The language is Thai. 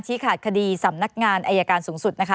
ขาดคดีสำนักงานอายการสูงสุดนะคะ